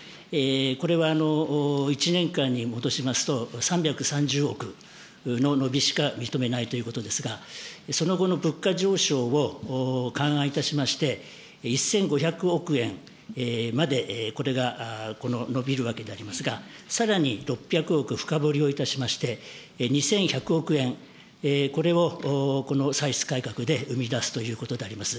これは１年間に戻しますと、３３０億の伸びしか認めないということですが、その後の物価上昇を勘案いたしまして、１５００億円までこれが伸びるわけでありますが、さらに６００億深掘りをいたしまして、２１００億円、これをこの歳出改革で生み出すということであります。